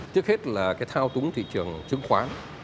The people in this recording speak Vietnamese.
trước hết là cái thao túng thị trường chứng khoán